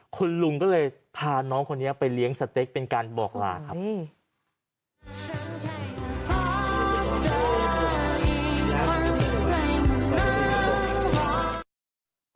คุณลุงก็เลยพาน้องคนนี้ไปเลี้ยงสเต็กเป็นการบอกลาครับ